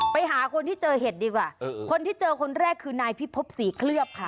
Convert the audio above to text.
ไปหาคนที่เจอเห็ดดีกว่าคนที่เจอคนแรกคือนายพิพบศรีเคลือบค่ะ